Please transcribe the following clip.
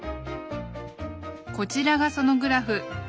こちらがそのグラフ。